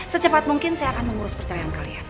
secepat mungkin saya akan mengurus perceraian kalian